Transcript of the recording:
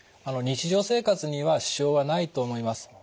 日常生活には支障はないと思います。